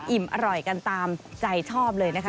อิ่มอร่อยกันตามใจชอบเลยนะคะ